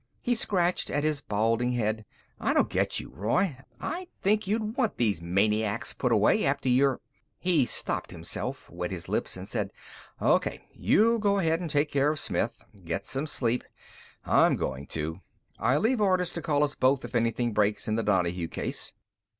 He scratched at his balding head. "I don't get you, Roy. I'd think you'd want these maniacs put away, after your " He stopped himself, wet his lips, and said: "O.K. You go ahead and take care of Smith. Get some sleep. I'm going to. I'll leave orders to call us both if anything breaks in the Donahue case."